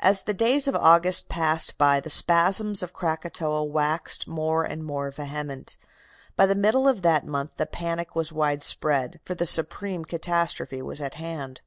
"As the days of August passed by the spasms of Krakatoa waxed more and more vehement. By the middle of that month the panic was widespread, for the supreme catastrophe was at hand.